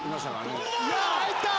入った！